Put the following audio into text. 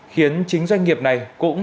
khiến chính doanh nghiệp này cũng